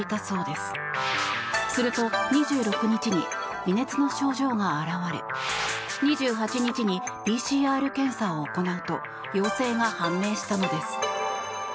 すると２６日に微熱の症状が現れ２８日にＰＣＲ検査を行うと陽性が判明したのです。